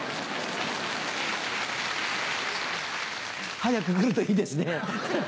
早く来るといいですね。